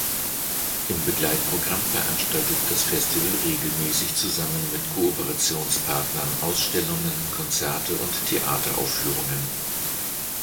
Im Begleitprogramm veranstaltet das Festival regelmäßig zusammen mit Kooperationspartnern Ausstellungen, Konzerte und Theateraufführungen.